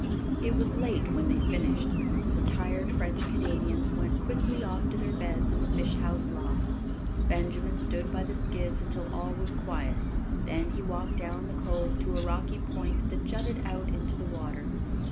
It was late when they finished. The tired French Canadians went quickly off to their beds in the fish house loft. Benjamin stood by the skids until all was quiet, then he walked down the cove to a rocky point that jutted out into the water.